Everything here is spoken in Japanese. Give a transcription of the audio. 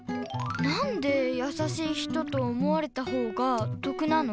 なんでやさしい人と思われたほうが得なの？